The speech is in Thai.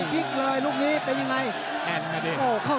พี่เกียจหักแล้ว